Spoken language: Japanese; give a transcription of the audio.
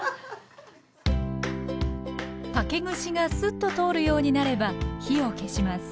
竹串がスッと通るようになれば火を消します